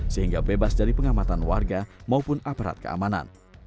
sehingga bebas dari pengamatan warga maupun aparat keamanan